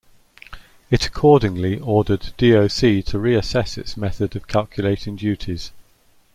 It accordingly ordered DoC to reassess its method of calculating duties.